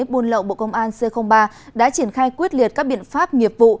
buôn lậu bộ công an c ba đã triển khai quyết liệt các biện pháp nghiệp vụ